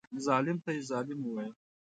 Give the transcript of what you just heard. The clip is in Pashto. ظالم ته یې ظالم وویل.